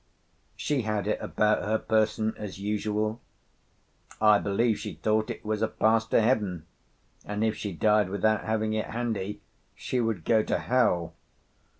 She had it about her person, as usual; I believe she thought it was a pass to heaven, and if she died without having it handy she would go to hell.